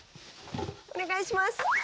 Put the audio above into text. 「お願いします」